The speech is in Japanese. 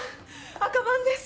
赤番です！